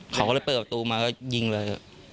เขาก็เลยไปกับตัวมาก็ยิงเลย